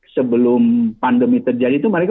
sebelum pandemi terjadi itu mereka